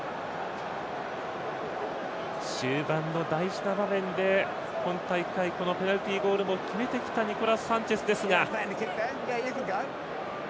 終盤の大事な場面で今大会、このペナルティゴールも決めてきたニコラス・サンチェスですが。